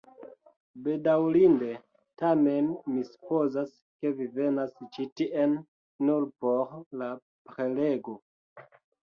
Bedaŭrinde, tamen mi supozas, ke vi venas ĉi tien nur por la prelego